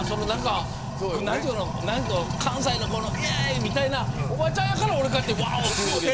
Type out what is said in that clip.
関西のいえーいみたいなおばちゃんやから俺かって、わおと言うけど。